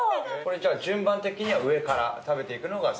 じゃあ順番的には上から食べていくのがセオリー？